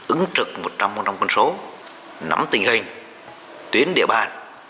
ứng trực một trăm linh quân số nắm tình hình tuyến địa bàn